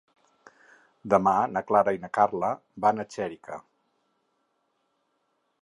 Demà na Clara i na Carla van a Xèrica.